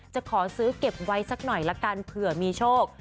จะขอซื้อเก็บไว้สักหน่อยละกันเผื่อมีโชค